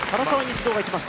指導が行きました。